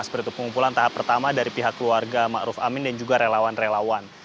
seperti itu pengumpulan tahap pertama dari pihak keluarga ma'ruf amin dan juga relawan relawan